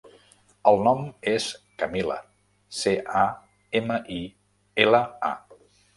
El nom és Camila: ce, a, ema, i, ela, a.